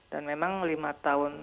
dan memang lima tahun